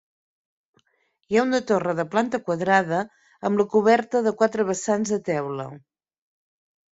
Hi ha una torre de planta quadrada, amb la coberta de quatre vessants de teula.